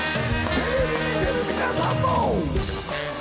テレビ見てる皆さんも！